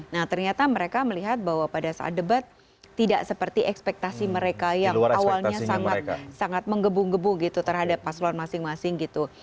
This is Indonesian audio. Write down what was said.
nah ternyata mereka melihat bahwa pada saat debat tidak seperti ekspektasi mereka yang awalnya sangat menggebu gebu gitu terhadap paslon masing masing gitu